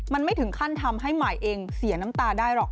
มันไม่ถึงขั้นทำให้ใหม่เองเสียน้ำตาได้หรอก